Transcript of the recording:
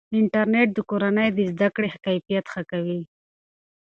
انټرنیټ د کورنۍ د زده کړې کیفیت ښه کوي.